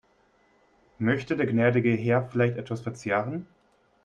Möchte der gnädige Herr vielleicht etwas verzehren?